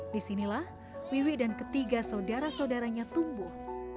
disinilah wiwi dan ketiga saudara saudaranya tumbuh